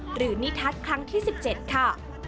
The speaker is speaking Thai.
หรือนิทรัศครั้ง๑๗ค่ะ